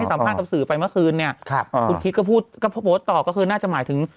ให้สัมภาพกับสื่อไปเมื่อคืนเนี่ยคุณคริสต์ก็โพสต์ต่อก็คือน่าจะหมายถึง